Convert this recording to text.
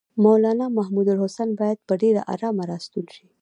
مولنا محمودالحسن باید په ډېره آرامه راستون شي.